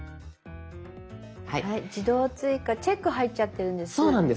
「自動追加」チェック入っちゃってるんです。